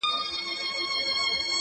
په هغه ګړي یې جنس وو پیژندلی -